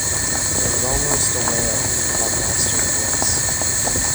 There was almost a wail in the headmaster's voice.